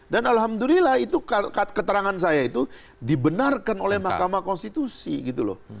dan alhamdulillah itu keterangan saya itu dibenarkan oleh mahkamah konstitusi gitu loh